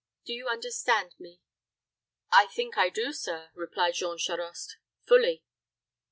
Do you understand me?" "I think I do, sir," replied Jean Charost, "fully."